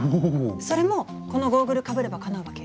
それもこのゴーグルかぶればかなうわけ？